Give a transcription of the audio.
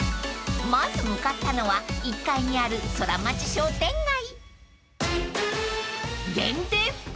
［まず向かったのは１階にあるソラマチ商店街］